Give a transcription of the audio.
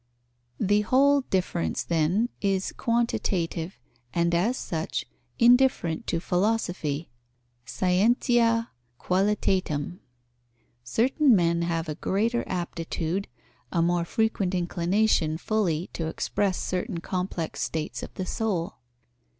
_ The whole difference, then, is quantitative, and as such, indifferent to philosophy, scientia qualitatum. Certain men have a greater aptitude, a more frequent inclination fully to express certain complex states of the soul.